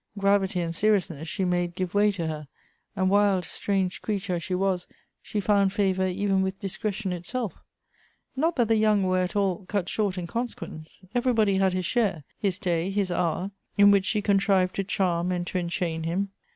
Gravity and seriousness she made give way to her, and, wild strange creature as she was, she found favor even with discretion itself. Not that the young were at all cut short in consequence. Everybody had his share, his day his hour, in which she contrived to charm and to enchain him.